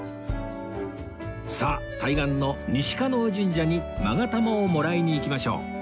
さあ対岸の西叶神社に勾玉をもらいに行きましょう